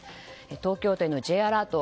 東京都へのＪアラート